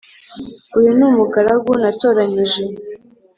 Uyu ni umugaragu natoranyije